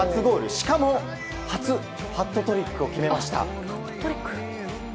しかも初ハットトリックを決めました。